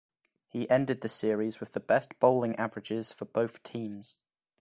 He ended the series with the best bowling averages for both teams.